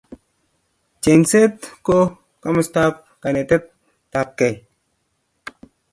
chegset ko kamstap kanetet apkei